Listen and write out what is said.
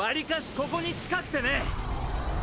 ここに近くてね。